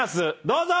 どうぞ！